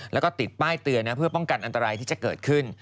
แล้วก็ติดป้ายเตือนนะเพื่อป้องกันอันตรายที่จะเกิดขึ้น